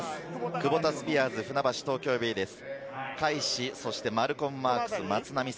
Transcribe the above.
クボタスピアーズ船橋・東京ベイです。